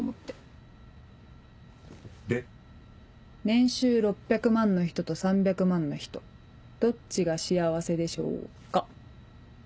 年収６００万の人と３００万の人どっちが幸せでしょうか？